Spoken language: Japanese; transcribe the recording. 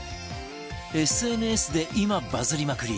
ＳＮＳ で今バズりまくり！